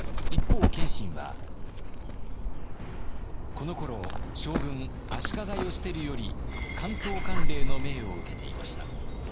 このころ将軍足利義輝より関東管領の命を受けていました。